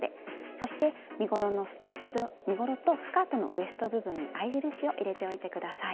そして身ごろとスカートのウエスト部分に合い印を入れておいて下さい。